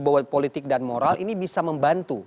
bahwa politik dan moral ini bisa membantu